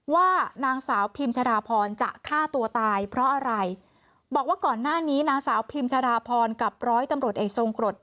ว่านางสาวพิมชดาพรจะฆ่าตัวตายเพราะอะไรบอกว่าก่อนหน้านี้นางสาวพิมชะดาพรกับร้อยตำรวจเอกทรงกรด